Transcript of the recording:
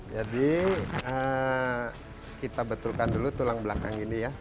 jadi kita betulkan dulu tulang belakang ini ya